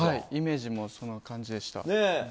イメージもそんな感じでした。